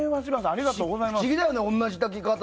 ありがとうございます。